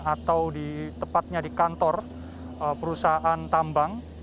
atau di tepatnya di kantor perusahaan tambang